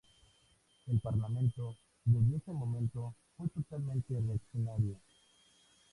El Parlamento desde ese momento fue totalmente reaccionario.